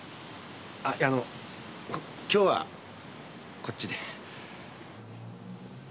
あの今日はこっちで。